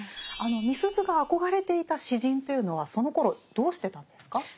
あのみすゞが憧れていた詩人というのはそのころどうしてたんですか？